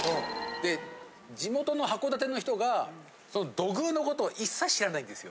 で地元の函館の人がその土偶のことを一切知らないんですよ。